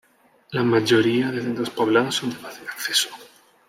La mayoría de centros poblados son de fácil acceso.